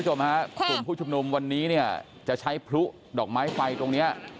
คุณสิริวันเพราะนะครับคุณผู้ชุมนุมวันนี้เนี่ยจะใช้พลุดอกไม้ไฟตรงนี้